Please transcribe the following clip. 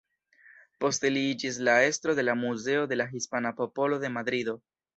Poste li iĝis la estro de la Muzeo de la Hispana Popolo de Madrido.